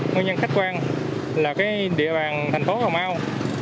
nguyên nhân khách quan là địa bàn thành phố cà mau